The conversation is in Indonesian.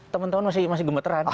teman teman masih gemeteran